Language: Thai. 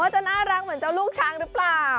จะน่ารักเหมือนเจ้าลูกช้างหรือเปล่า